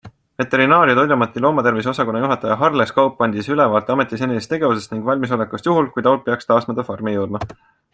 Veterinaar- ja toiduameti loomatervise osakonna juhataja Harles Kaup andis ülevaate ameti senistest tegevustest ning valmisolekust juhul, kui taud peaks taas mõnda farmi jõudma.